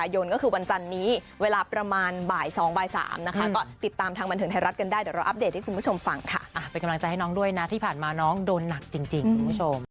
โดนหนักจริงคุณผู้ชม